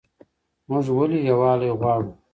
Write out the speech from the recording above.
موږ ولې یووالی غواړو؟